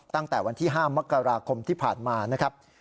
ตั้งแต่วันที่๕มกราคมที่ผ่านมานะครับ